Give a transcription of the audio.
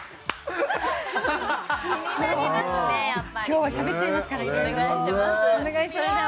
今日はしゃべっちゃいますからいろいろと。